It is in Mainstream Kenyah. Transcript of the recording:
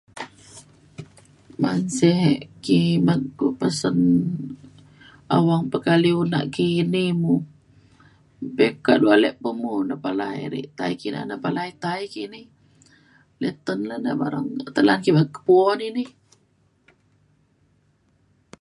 man sik kimet ku pesen awang pekaliu nak ki ini mo beg kaduk alik pemo ne palai rik tai kina palai tai kini le ten le ne baram le ne kepuo nini.